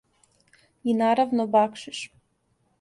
И, наравно, бакшиш.